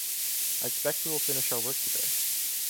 I expect we will finish our work today.